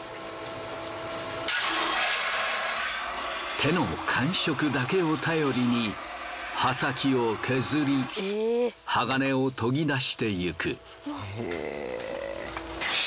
手の感触だけを頼りに刃先を削り鋼を研ぎ出してゆく。